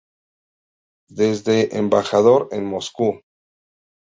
Desde Embajador en Moscú.